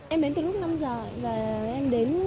em đến từ lúc năm giờ và em đến